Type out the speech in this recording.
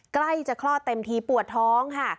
ใกล้จะคลอดเต็มทีปวดท้องค่ะ